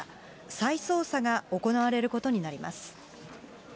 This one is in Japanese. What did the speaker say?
再捜査が行われることになります。